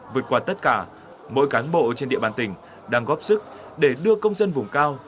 vượt qua tất cả mỗi cán bộ trên địa bàn tỉnh đang góp sức để đưa công dân vùng cao